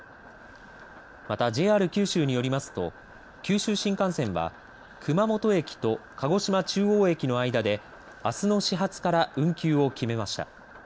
また、ＪＲ九州によりますと九州新幹線は熊本駅と鹿児島中央駅の間であすの始発から運休を決めました。